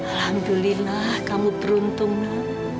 alhamdulillah kamu beruntung nek